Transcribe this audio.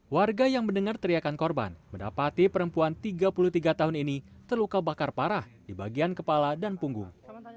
warga yang mendengar teriakan korban mendapati perempuan tiga puluh tiga tahun ini terluka bakar parah di bagian kepala dan punggung